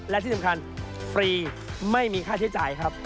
และที่สำคัญฟรีไม่มีค่าใช้จ่ายครับ